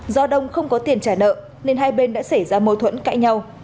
do đông không có tiền trả nợ nên hai bên đã xảy ra mâu thuẫn cãi nhau